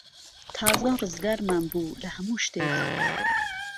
تازە ڕزگارمان بوو لە هەموو شتێک.